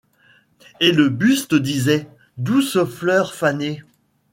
Et le buste disait : douce fleur fanée